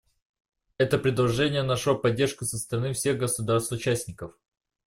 Это предложение нашло поддержку со стороны всех государств-участников.